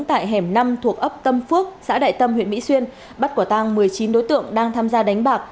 tại hẻm năm thuộc ấp tâm phước xã đại tâm huyện mỹ xuyên bắt quả tang một mươi chín đối tượng đang tham gia đánh bạc